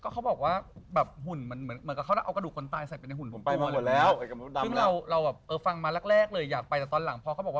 เค้าก็บอกเลวนี้ไม่น่ากลัวก็ทำเป็นวิวิทยาพันธุลแล้ว